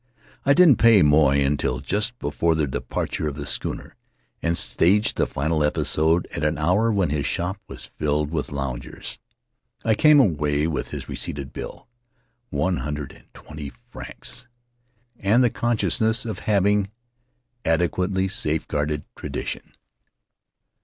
I didn't pay Moy until just before the de parture of the schooner, and staged the final episode at an hour when his shop was filled with loungers. I came away with his receipted bill, one hundred and twenty francs, and the consciousness of having ade quately safeguarded tradition.